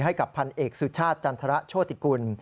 ให้กับพันเอกสุชาติจันทรโชติกุล